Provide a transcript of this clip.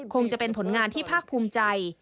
คงจะเป็นผลงานที่ภาคภูมิใจ